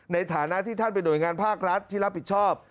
ในฐานะที่ท่านเป็นหน่วยงานภาครัฐที่รับผิดชอบ